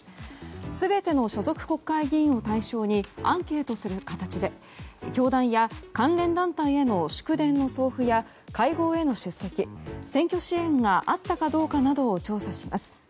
全ての所属国会議員を対象にアンケートする形で教団や関連団体への祝電の送付や会合への出席選挙支援があったかどうかなどを調査します。